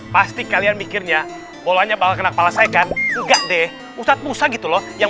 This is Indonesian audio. pasti kalian mikirnya bolanya balik kena kepala saya kan enggak deh ustadz musa gitu loh yang